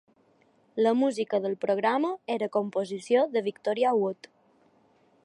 La música del programa era composició de Victoria Wood.